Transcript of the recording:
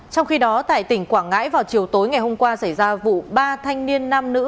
trong khi đó tại tỉnh quảng ngãi vào chiều tối ngày hôm qua xảy ra vụ ba thanh niên nam nữ